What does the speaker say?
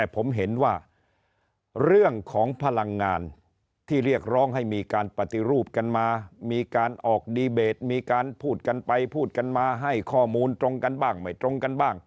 ผมเห็นว่าเรื่องของพลังงานที่เรียกร้องให้มีการปฏิรูปกันมามีการออกดีเบตมีการพูดกันไปพูดกันมาให้ข้อมูลตรงกันบ้างไม่ตรงกันบ้าง